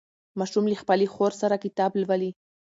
ماشوم له خپلې خور سره کتاب لولي